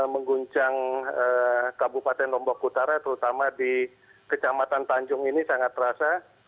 mengguncang kabupaten lombok utara terutama di kecamatan tanjung ini sangat terasa